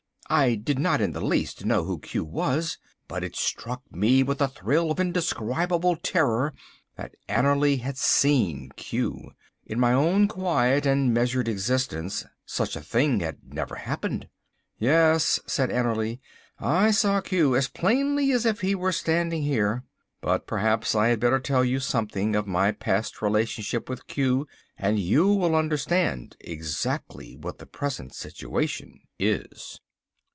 I did not in the least know who Q was, but it struck me with a thrill of indescribable terror that Annerly had seen Q. In my own quiet and measured existence such a thing had never happened. "Yes," said Annerly, "I saw Q as plainly as if he were standing here. But perhaps I had better tell you something of my past relationship with Q, and you will understand exactly what the present situation is."